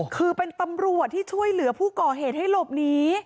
คือเป็นตำรวจที่ช่วยเหลือผู้ก่อเหตุให้หลบหนี